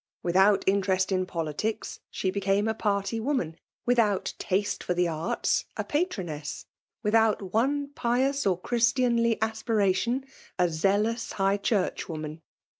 Without interest in politics, she became a party woman ; without taste for the arts, a patroness; without one pious or Christianly aspiration, a zealous high church woman.